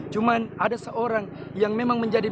cuman ada seorang yang memang menjadi